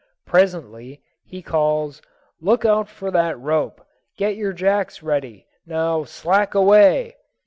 Presently he calls "Look out for that rope. Get yer jacks ready. Now slack away!"